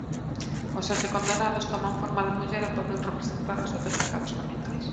Os sete condenados toman forma de muller e poden representar os sete pecados capitais.